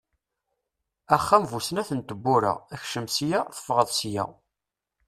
Axxam bu snat n tebbura, ekcem sya, teffeɣeḍ sya!